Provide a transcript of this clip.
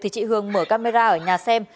thì chị hường mở camera ở nhà xem